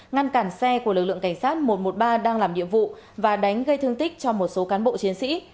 ngăn cản xe của lực lượng cảnh sát một trăm một mươi ba đang làm nhiệm vụ và đánh gây thương tích cho một số cán bộ chiến sĩ